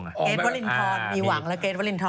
เกรดวัลินทรมีหวังแล้วเกรดวัลินทร